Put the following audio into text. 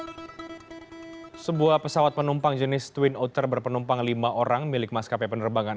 hai sebuah pesawat penumpang jenis twin outer berpenumpang lima orang milik maskapai penerbangan